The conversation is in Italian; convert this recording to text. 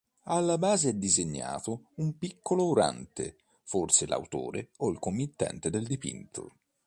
Alla base è disegnato un piccolo orante, forse l'autore o il committente del dipinto.